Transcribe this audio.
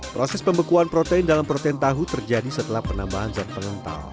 proses pembekuan protein dalam protein tahu terjadi setelah penambahan zat pengental